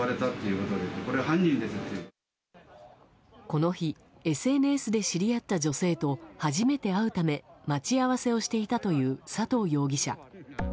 この日ＳＮＳで知り合った女性と初めて会うため待ち合わせをしていたという佐藤容疑者。